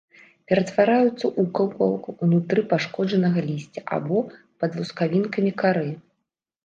Ператвараюцца ў кукалку ўнутры пашкоджанага лісця або пад лускавінкамі кары.